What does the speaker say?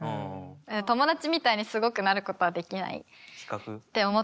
友達みたいにすごくなることはできないって思って。